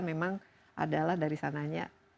memang adalah dari sananya